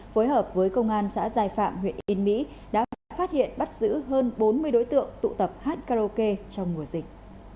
phối hợp với công an xã giai phạm huyện yên mỹ đã phát hiện bắt giữ hơn bốn mươi đối tượng tụ tập hát karaoke trong mùa dịch